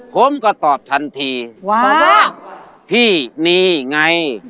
ผมก็ตอบทันทีว่าพี่นี่ไง